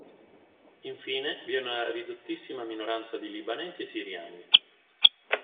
Infine, vi è una ridottissima minoranza di libanesi e siriani.